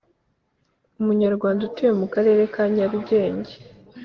umunyarwanda utuye mu karere ka Nyarugenge